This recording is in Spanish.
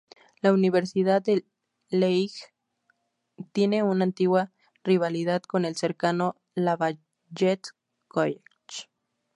La Universidad de Lehigh tiene una antigua rivalidad con el cercano Lafayette College.